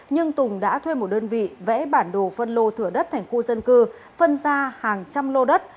nhưng tùng đã thuê một đơn vị vẽ bản đồ phân lô thửa đất thành khu dân cư phân ra hàng trăm lô đất